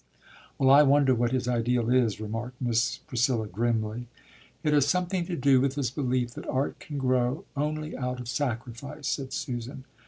"Well, I wonder what his ideal is?" remarked Miss Priscilla grimly. "It has something to do with his belief that art can grow only out of sacrifice," said Susan.